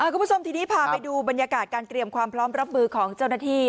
คุณผู้ชมทีนี้พาไปดูบรรยากาศการเตรียมความพร้อมรับมือของเจ้าหน้าที่